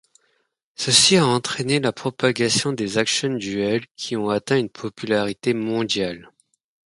Ceci a entraîné la propagation des Action Duels, qui ont atteint une popularité mondiale.